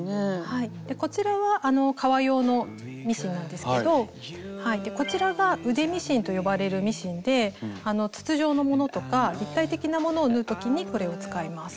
こちらは革用のミシンなんですけどこちらが「腕ミシン」と呼ばれるミシンで筒状のものとか立体的なものを縫う時にこれを使います。